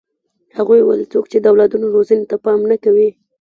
هغوی وویل څوک چې د اولادونو روزنې ته پام نه کوي.